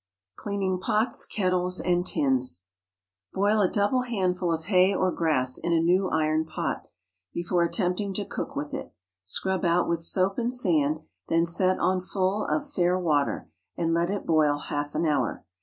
CLEANING POTS, KETTLES, AND TINS. Boil a double handful of hay or grass in a new iron pot, before attempting to cook with it; scrub out with soap and sand; then set on full of fair water, and let it boil half an hour.